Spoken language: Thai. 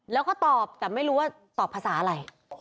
แล้วก็ตอบแต่ไม่รู้ว่าตอบภาษาอะไร